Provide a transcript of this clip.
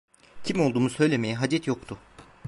Kim olduğumu söylemeye hacet yoktu.